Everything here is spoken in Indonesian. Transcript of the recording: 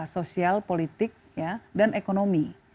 sosial politik dan ekonomi